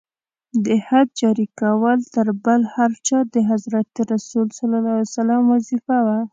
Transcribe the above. د حد جاري کول تر بل هر چا د حضرت رسول ص وظیفه وه.